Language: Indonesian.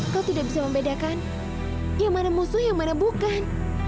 kau tidak bisa membedakan yang mana musuh yang mana bukan